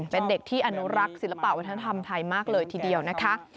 เป็นเด็กที่อนุรักษ์ศิลปะวัฒนธรรมไทยมากเลยทีเดียวนะคะ